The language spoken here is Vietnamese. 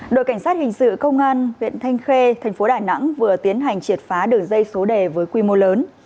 đội cảnh sát hình sự công an huyện thanh khê thành phố đà nẵng vừa tiến hành triệt phá đường dây số đề với quy mô lớn